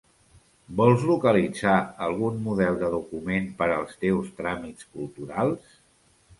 Vols localitzar algun model de document per als teus tràmits culturals?